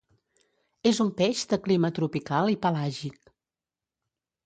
És un peix de clima tropical i pelàgic.